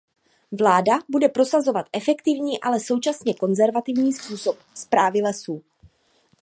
Vláda bude prosazovat efektivní, ale současně konzervativní způsoby správy lesů.